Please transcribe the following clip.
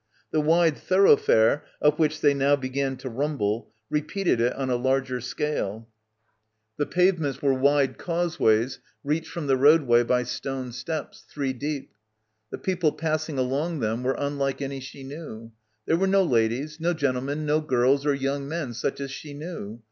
The wide thoroughfare, up which they now began to rumble, repeated it on a larger scale. The pave ments were wide causeways reached from the road way by stone steps, three deep. The people pass ing along them were unlike any she knew. There were no ladies, no gentlemen, no girls or young men such as she knew.